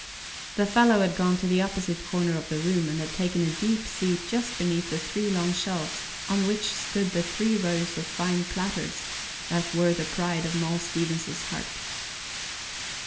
The fellow had gone to the opposite corner of the room and had taken a deep seat just beneath the three long shelves on which stood the three rows of fine platters that were the pride of Moll Stevens's heart.